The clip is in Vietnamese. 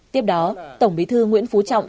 tiếp đó tổng bí thư nguyễn phú trọng